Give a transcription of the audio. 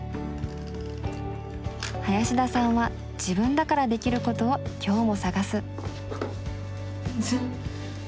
林田さんは自分だからできることを今日も探す。